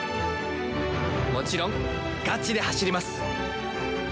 もちろんガチで走ります。